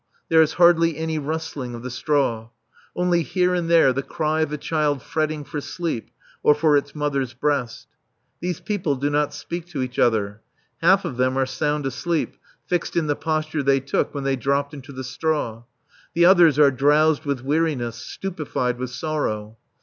There is hardly any rustling of the straw. Only here and there the cry of a child fretting for sleep or for its mother's breast. These people do not speak to each other. Half of them are sound asleep, fixed in the posture they took when they dropped into the straw. The others are drowsed with weariness, stupefied with sorrow.